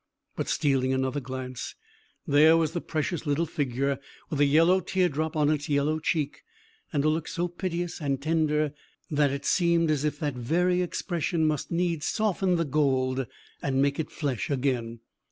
But, stealing another glance, there was the precious little figure, with a yellow tear drop on its yellow cheek, and a look so piteous and tender, that it seemed as if that very expression must needs soften the gold, and make it flesh again.